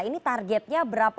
ini targetnya berapa